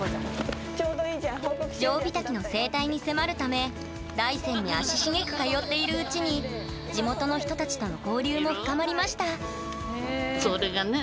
ジョウビタキの生態に迫るため大山に足しげく通っているうちに地元の人たちとの交流も深まりましたそれがね